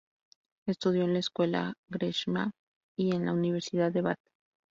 Estudió en la Escuela Gresham y en la Universidad de Bath.